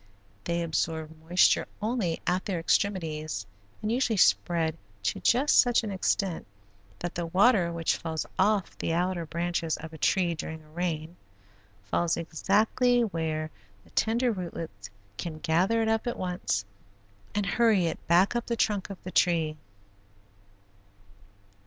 They absorb moisture only at their extremities and usually spread to just such an extent that the water which falls off the outer branches of a tree during a rain, falls exactly where the tender rootlets can gather it up at once and hurry it back up the trunk of the tree.